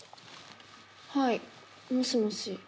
はいもしもし」